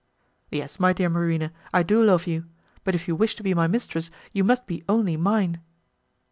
"Yes, my dear Marina, I do love you, but if you wish to be my mistress, you must be only mine."